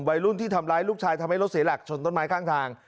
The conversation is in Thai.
วัยรุ่นที่ทำร้ายลูกชายทำให้รถเสียหลักชนต้นไม้ข้างทาง